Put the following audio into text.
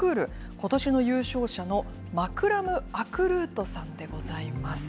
ことしの優勝者のマクラム・アクルートさんでございます。